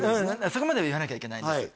そこまでは言わなきゃいけないんです